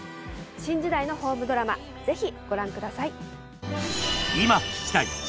新時代のホームドラマぜひご覧ください。